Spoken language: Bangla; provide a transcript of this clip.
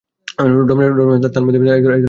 রমজান মাসে তার মধ্যে এক ধরনের আতঙ্ক কাজ করতো।